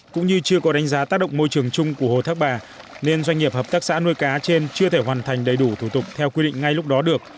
cũng như chưa có đánh giá tác động môi trường chung của hồ thác bà nên doanh nghiệp hợp tác xã nuôi cá trên chưa thể hoàn thành đầy đủ thủ tục theo quy định ngay lúc đó được